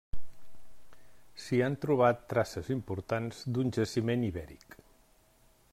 S'hi han trobat traces importants d'un jaciment ibèric.